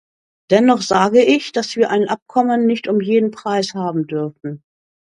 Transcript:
Dennoch sage ich, dass wir ein Abkommen nicht um jeden Preis haben dürfen.